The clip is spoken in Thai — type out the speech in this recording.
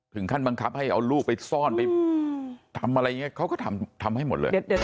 ถึงขั้นบังคับให้เอาลูกไปซ่อนไปอืมทำอะไรอย่างเงี้ยเขาก็ทำทำให้หมดเลยเด็ดเด็ด